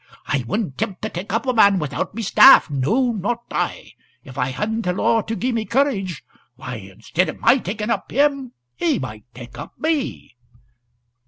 I wouldn't 'tempt to take up a man without my staff no, not I. If I hadn't the law to gie me courage, why, instead o' my taking him up he might take up me!"